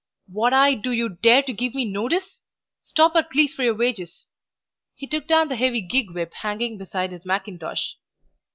"What! do you dare to give me notice? Stop at least for your wages." He took down the heavy gig whip hanging beside his mackintosh.